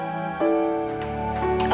tidak ada yang bisa kutip